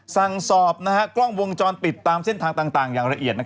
สั่งสอบกล้องวงจรปิดตามเส้นทางต่างอย่างละเอียด